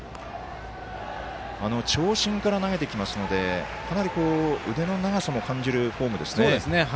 長身から投げてきますのでかなり腕の長さも感じるフォームですね。